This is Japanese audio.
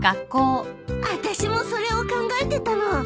あたしもそれを考えてたの。